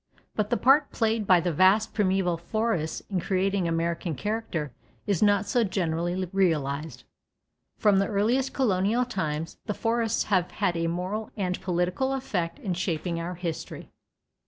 But the part played by the vast primeval forests in creating American character is not so generally realized. From the earliest colonial times the forests have had a moral and political effect in shaping our history.